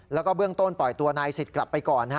แล้วก็เบื้องต้นปล่อยตัวนายสิทธิ์กลับไปก่อน